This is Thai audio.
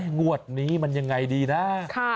งวดนี้มันยังไงดีนะ